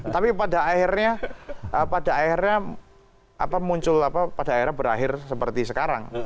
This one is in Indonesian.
tapi pada akhirnya pada akhirnya muncul pada akhirnya berakhir seperti sekarang